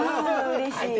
うれしい。